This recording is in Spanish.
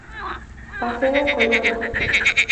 Paseo Colón.